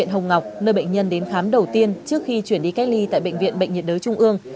hà nội quyết định nâng mức cách ly tại bệnh viện bệnh nhiệt đới trung ương